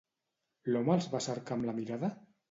L'home els va cercar amb la mirada?